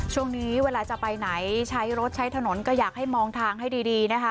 ช่วงนี้เวลาจะไปไหนใช้รถใช้ถนนก็อยากให้มองทางให้ดีนะคะ